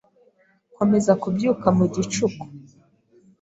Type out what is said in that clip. Nkomeza kubyuka mu gicuku.